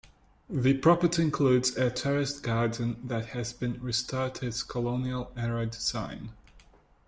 The property includes a terraced garden that has been restored to its colonial-era design.